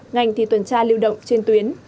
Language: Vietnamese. ngành thì tuần tra lưu động trên tuyến